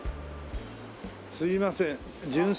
すいません。